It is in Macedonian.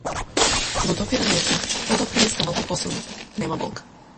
Го допира нежно, потоа притиска малку посилно, нема болка.